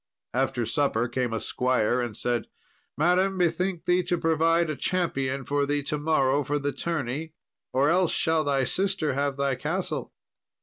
After supper came a squire, and said, "Madam, bethink thee to provide a champion for thee to morrow for the tourney, or else shall thy sister have thy castle."